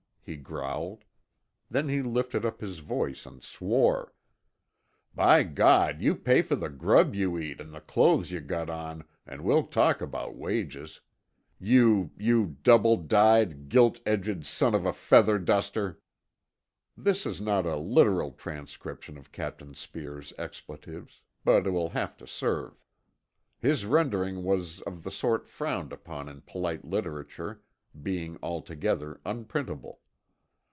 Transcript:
he growled. Then he lifted up his voice and swore: "By God, you pay for the grub you eat and the clothes you got on an' we'll talk about wages. You—you double dyed, gilt edged, son of a feather duster!" This is not a literal transcription of Captain Speer's expletives, but it will have to serve. His rendering was of the sort frowned upon in polite literature, being altogether unprintable.